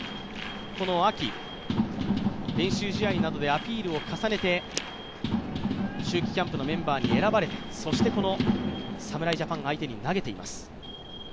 この秋、練習試合などでアピールを重ねて秋季キャンプのメンバーに選ばれそして侍ジャパン相手に投げています。